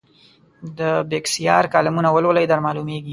د بېکسیار کالمونه ولولئ درمعلومېږي.